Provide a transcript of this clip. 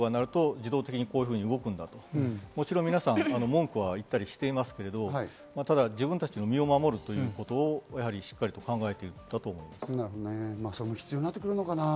そういうことに慣れてくれば、体が覚えて、空襲警報が鳴ると自動的にこういうふうに動くんだと、もちろん、皆さん文句は言ったりしてますけど、ただ、自分たちの身を守るということをしっかり考えているんだと思います。